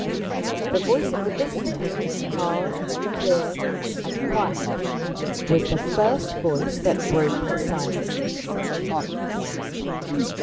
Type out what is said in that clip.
The voice of the visitor hard, clear, and quiet was the first voice that broke the silence.